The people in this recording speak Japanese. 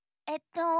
えっと。